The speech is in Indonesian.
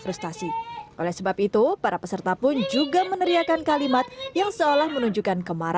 frustasi oleh sebab itu para peserta pun juga meneriakan kalimat yang seolah menunjukkan kemarahan